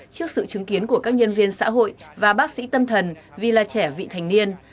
trước sự chứng kiến của các nhân viên xã hội và bác sĩ tâm thần vì là trẻ vị thành niên